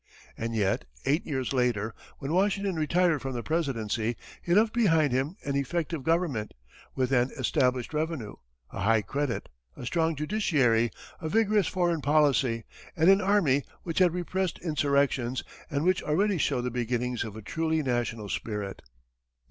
And yet, eight years later, when Washington retired from the presidency, he left behind him an effective government, with an established revenue, a high credit, a strong judiciary, a vigorous foreign policy, and an army which had repressed insurrections, and which already showed the beginnings of a truly national spirit.